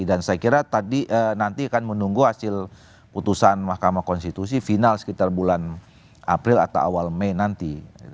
dan saya kira nanti akan menunggu hasil putusan mahkamah konstitusi final sekitar bulan april atau awal mei nanti